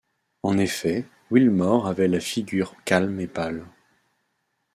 En effet, Wilmore avait la figure calme et pâle.